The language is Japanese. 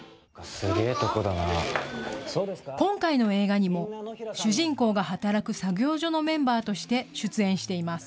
今回の映画にも主人公が働く作業所のメンバーとして出演しています。